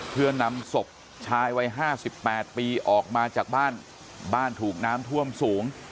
เพื่อนำศพชายวัย๕๘ปีออกมาจากบ้านบ้านถูกน้ำท่วมสูง